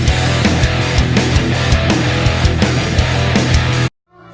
ขอบคุณทุกคน